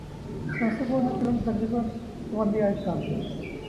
censor board نے فلم درج پر پابندی عائد کر دی